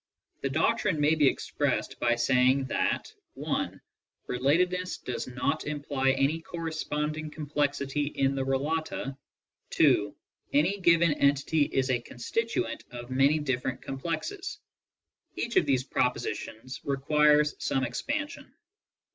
The doctrine may be expressed by saying that (1) re latedness does not imply any corresponding complexity in the relata; (2) any given entity is a constituent of many different complexes. Each of these proi>ositions requires some expansion.